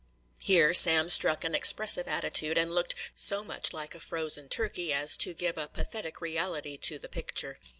Here Sam struck an expressive attitude, and looked so much like a frozen turkey as to give a pathetic reality to the picture.